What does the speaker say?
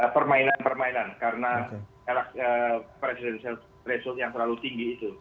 permainan permainan karena presidential threshold yang terlalu tinggi itu